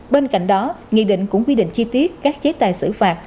bên cạnh đó nghị định cũng quy định chi tiết các chế tài xử phạt